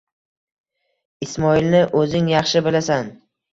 «Ismoilni o'zing yaxshi bilasan»